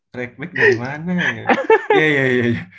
track back dari mana ya